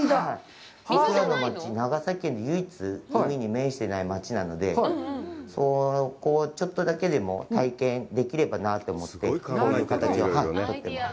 長崎県で唯一、海に面してない町なので、そこをちょっとだけでも体験できればなと思って、こういう形になってます。